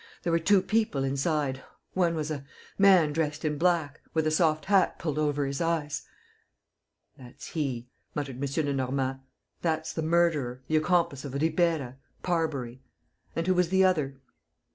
There were two people inside: one was a man dressed in black, with a soft hat pulled over his eyes ..." "That's he," muttered M. Lenormand, "that's the murderer, the accomplice of Ribeira, Parbury. And who was the other?"